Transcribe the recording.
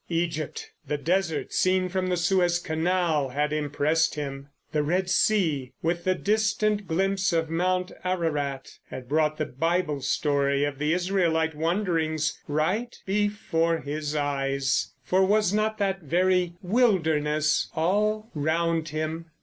Egypt! The Desert seen from the Suez Canal had impressed him. The Red Sea, with a distant glimpse of Mount Ararat, had brought the Bible story of the Israelite wanderings right before his eyes, for was not that the very "Wilderness" all round him?